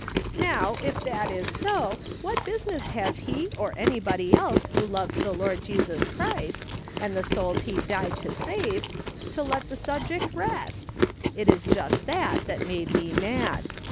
' Now, if that is so, what business has he or anybody ''THEY UP AND CALLED JILM A FANATIC" 277 else who loves the Lord Jesus Christ, and the souls he died to save, to let the subject rest ? It is just that that made me mad.